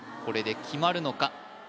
これで決まるのか？